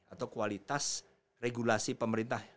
atau kualitas regulasi pemerintah